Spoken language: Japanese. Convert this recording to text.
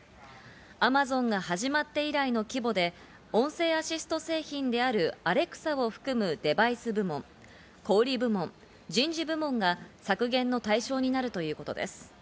アマゾンが始まって以来の規模で、音声アシスト製品であるアレクサを含むデバイス部門、小売部門、人事部門が削減の対象になるということです。